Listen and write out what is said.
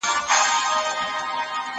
هغه وويل چي لوښي وچول مهم دي!.